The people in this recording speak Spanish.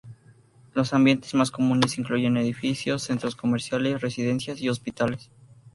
Los ambientes más comunes incluyen edificios o centros comerciales, residencias y hospitales.